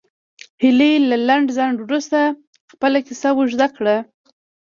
هیلې له لنډ ځنډ وروسته خپله کیسه اوږده کړه